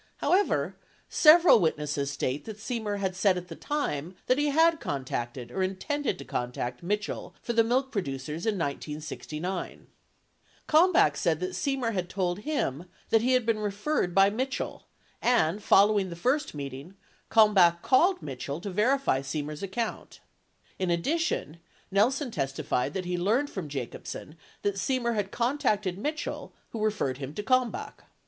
However, several witnesses state that Semer had said at the time that he had contacted, or intended to contact, Mitchell for the milk producers in 1969. Kalmbach said that Semer had told him that he had been referred by Mitchell, and, following the first meeting, Kalmbach called Mitchell to verify Semer's account. 32 In addition, Nelson testified that he learned from Jacobsen that Semer had contacted Mitchell who referred him to Kalmbach.